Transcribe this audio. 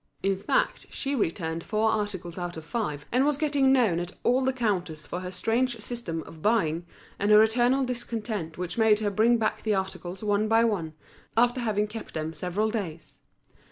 In fact, she returned four articles out of five, and was getting known at all the counters for her strange system of buying, and her eternal discontent which made her bring back the articles one by one, after having kept them several days.